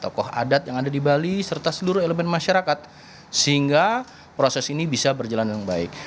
tokoh adat yang ada di bali serta seluruh elemen masyarakat sehingga proses ini bisa berjalan dengan baik